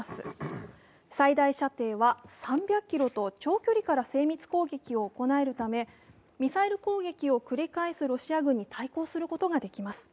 最大射程は３００ｋｍと長距離から精密攻撃を行えるため、ミサイル攻撃を繰り返すロシア軍に対抗することができます。